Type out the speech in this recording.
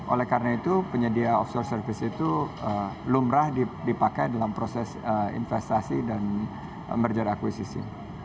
oleh karena itu penyedia offshore service itu lumrah dipakai dalam proses investasi dan merger akuisisi